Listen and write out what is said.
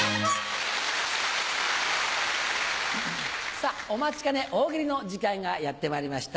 さぁお待ちかね大喜利の時間がやってまいりました。